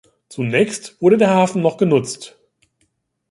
Zunächst wurde der Hafen noch genutzt.